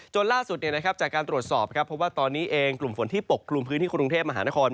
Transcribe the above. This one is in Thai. ล่าสุดจากการตรวจสอบเพราะว่าตอนนี้เองกลุ่มฝนที่ปกกลุ่มพื้นที่กรุงเทพมหานคร